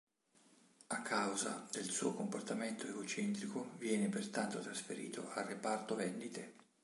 A causa del suo comportamento egocentrico viene pertanto trasferito al reparto vendite.